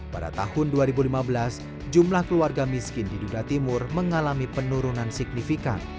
pada tahun dua ribu lima belas jumlah keluarga miskin di duda timur mengalami penurunan signifikan